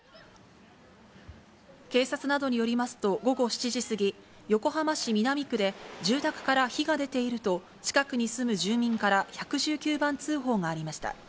警察などによりますと、午後７時過ぎ、横浜市南区で、住宅から火が出ていると近くに住む住民から１１９番通報がありました。